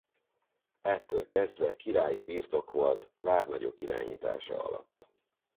Ettől kezdve királyi birtok volt várnagyok irányítása alatt.